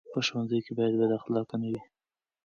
په ښوونځي کې باید بد اخلاقي نه وي.